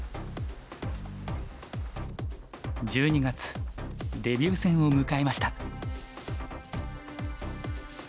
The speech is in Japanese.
１２月デビュー戦を迎えました。